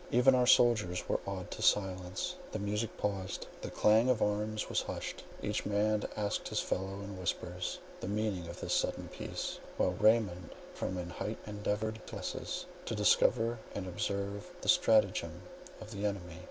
Even our soldiers were awed to silence; the music paused; the clang of arms was hushed. Each man asked his fellow in whispers, the meaning of this sudden peace; while Raymond from an height endeavoured, by means of glasses, to discover and observe the stratagem of the enemy.